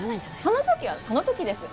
その時はその時です